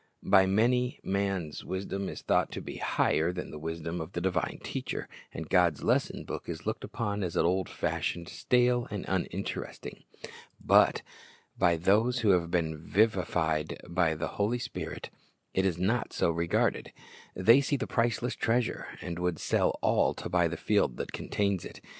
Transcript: By many, man's wisdom is thought to be higher than the wisdom of the divine Teacher, and God's lesson book is looked upon as old fashioned, stale, and uninteresting. But 'Job 28: 14 18 io8 Christ's Object Lessons by those who have been vivified by the Holy Spirit it is not so reo arded. They see the priceless treasure, and would sell all to buy the field that contains it.